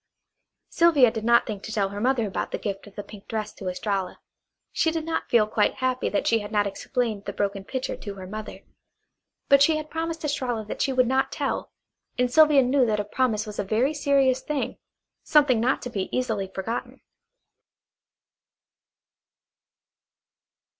Sylvia did not think to tell her mother about the gift of the pink dress to Estralla. She did not feel quite happy that she had not explained the broken pitcher to her mother; but she had promised Estralla that she would not tell, and Sylvia knew that a promise was a very serious thing, something not to be easily forgotten.